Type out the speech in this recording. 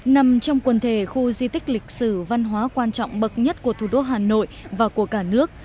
nằm trong quần thể khu di tích lịch sử văn hóa quan trọng bậc nhất của thủ đô hà nội và của cả nước